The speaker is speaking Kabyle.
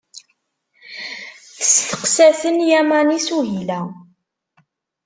Testeqsa-ten Yamani Suhila.